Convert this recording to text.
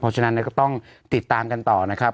เพราะฉะนั้นก็ต้องติดตามกันต่อนะครับ